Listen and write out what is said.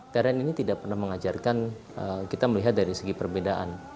karen ini tidak pernah mengajarkan kita melihat dari segi perbedaan